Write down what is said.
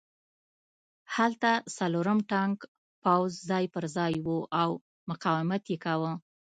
هلته څلورم ټانک پوځ ځای پرځای و او مقاومت یې کاوه